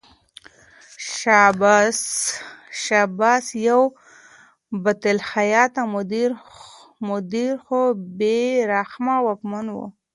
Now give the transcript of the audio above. شاه عباس یو باصلاحیته مدیر خو بې رحمه واکمن و.